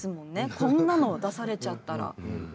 こんなのを出されちゃったら。